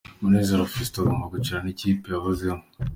Munezero Fiston agomba gucakirana n'ikipe yahozemo.